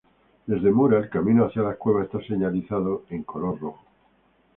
Desde Mura el camino hacia las cuevas está señalizado en color rojo.